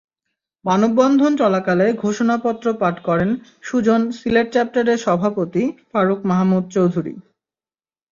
মানববন্ধন চলাকালে ঘোষণাপত্র পাঠ করেন সুজন সিলেট চ্যাপ্টারের সভাপতি ফারুক মাহমুদ চৌধুরী।